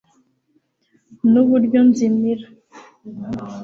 nuburyo nzimira